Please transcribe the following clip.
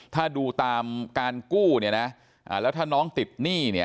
ถ้าดูตามการกู้เนี่ยนะแล้วถ้าน้องติดหนี้เนี่ย